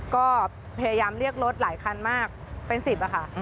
ก็พยายามเรียกรถหลายคันมากเป็น๑๐ค่ะ